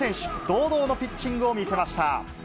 堂々のピッチングを見せました。